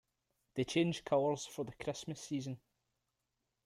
They change colors for the Christmas season.